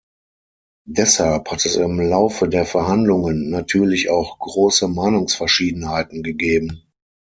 Deshalb hat es im Laufe der Verhandlungen natürlich auch große Meinungsverschiedenheiten gegeben.